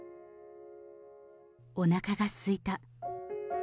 おなかがすいた。